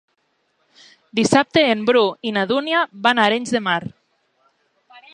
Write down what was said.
Dissabte en Bru i na Dúnia van a Arenys de Mar.